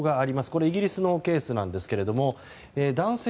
これはイギリスのケースなんですが男性、